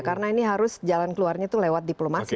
karena ini harus jalan keluarnya itu lewat diplomasi